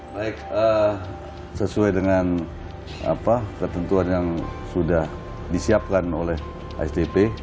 baik sesuai dengan ketentuan yang sudah disiapkan oleh asdp